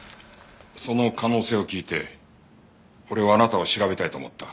その可能性を聞いて俺はあなたを調べたいと思った。